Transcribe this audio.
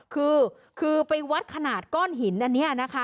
คือคือไปวัดขนาดก้อนหินอันนี้นะคะ